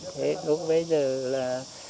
thế đúc bây giờ là